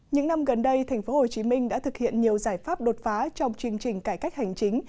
những năm gần đây tp hcm đã thực hiện nhiều giải pháp đột phá trong chương trình cải cách hành chính